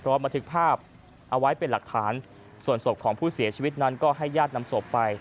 บันทึกภาพเอาไว้เป็นหลักฐานส่วนศพของผู้เสียชีวิตนั้นก็ให้ญาตินำศพไป